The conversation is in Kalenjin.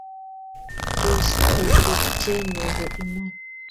Tos otupche nebo iman